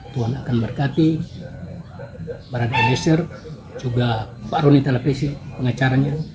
tuhan akan berkati barat eliezer juga pak roni televisi pengacaranya